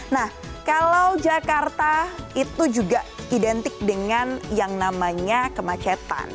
nah kalau jakarta itu juga identik dengan yang namanya kemacetan